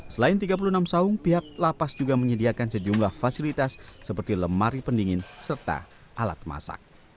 selain tiga puluh enam saung pihak lapas juga menyediakan sejumlah fasilitas seperti lemari pendingin serta alat masak